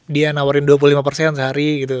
dia nawarin dua puluh lima sehari gitu